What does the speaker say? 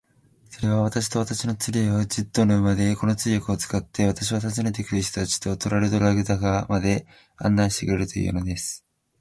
それは、私と私の連れを、十頭の馬で、この通訳を使って、私は訪ねて来る人たちとトラルドラグダカまで案内してくれるというのです。